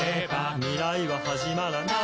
「未来ははじまらない」